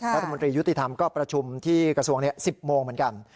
รัฐมนตรียุติธรรมก็ประชุมที่กระทรวง๑๐โมงเหมือนกัน